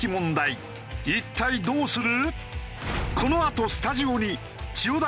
一体どうする？